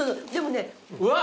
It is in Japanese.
うわっ。